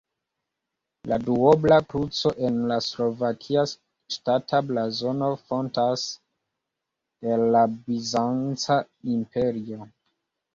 La duobla kruco en la slovakia ŝtata blazono fontas el la Bizanca Imperio.